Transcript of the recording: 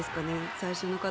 最初の方。